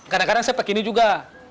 kadang kadang saya pakai ini juga